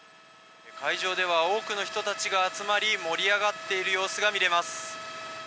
会場では多くの人が集まり盛り上がっている様子が見えます。